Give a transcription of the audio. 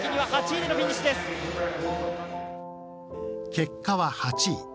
結果は８位。